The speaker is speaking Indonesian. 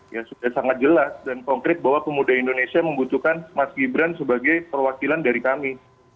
ya sudah sangat jelas dan konkret bahwa pemuda indonesia membutuhkan mas gibran sebagai perwakilan dari kami